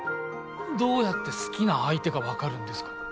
どうやって好きな相手が分かるんですか？